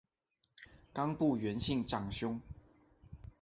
冈部元信长兄。